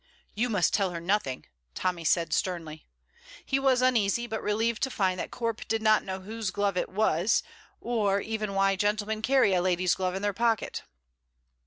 "You must tell her nothing," Tommy said sternly. He was uneasy, but relieved to find that Corp did not know whose glove it was, nor even why gentlemen carry a lady's glove in their pocket.